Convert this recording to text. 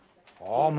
ああ